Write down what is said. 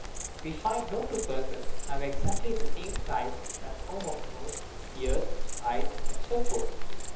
We find no two per sons who have exactly the same size and form of nose, ears, eyes, and so forth.